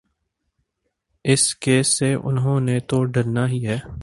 اس case سے انہوں نے تو ڈرنا ہی ہے۔